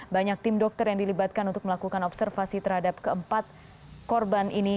banyak tim dokter yang dilibatkan untuk melakukan observasi terhadap keempat korban ini